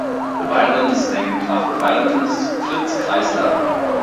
The violin is named after violinist Fritz Kreisler.